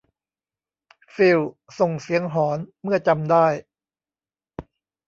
ฟิลส่งเสียงหอนเมื่อจำได้